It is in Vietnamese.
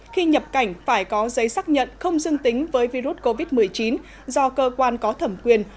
khi nhập cảnh phải có giấy xác nhận không dương tính với virus covid một mươi chín do cơ quan có thẩm quyền